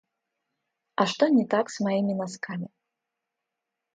А что не так с моими носками?